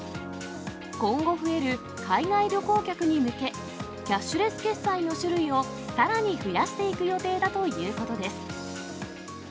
今後増える海外旅行客に向け、キャッシュレス決済の種類をさらに増やしていく予定だということです。